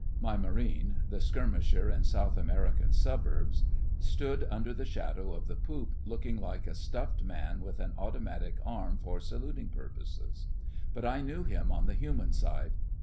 My Marine—the skirmisher in South American Suburbs—stood under the shadow of the poop looking like a stuffed man with an automatic arm for saluting purposes; but I knew him on the human side.